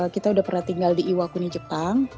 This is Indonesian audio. kita udah pernah tinggal di iwakuni jepang